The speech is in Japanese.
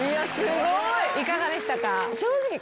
いかがでしたか？